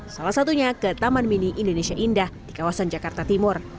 salah satunya ke taman mini indonesia indah di kawasan jakarta timur